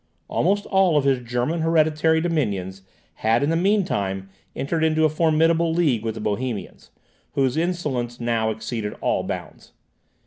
Almost all of his German hereditary dominions had in the meantime entered into a formidable league with the Bohemians, whose insolence now exceeded all bounds.